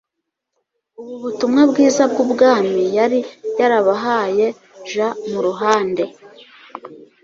ubu butumwa bwiza bw ubwami yari yarabahaye j mu ruhande